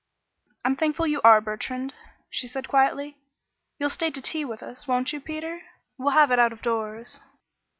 "I'm thankful you are, Bertrand," she said quietly. "You'll stay to tea with us, won't you, Peter? We'll have it out of doors."